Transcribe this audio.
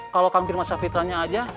kalau kang firman sahpitranya aja